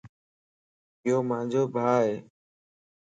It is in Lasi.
يوما نجو ڀَا ائي